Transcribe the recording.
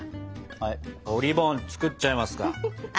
はいおりぼん作っちゃいますか。